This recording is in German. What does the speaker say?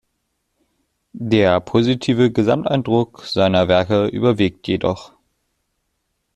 Der positive Gesamteindruck seiner Werke überwiegt jedoch.